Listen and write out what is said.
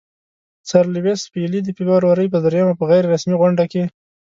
سر لیویس پیلي د فبرورۍ پر دریمه په غیر رسمي غونډه کې.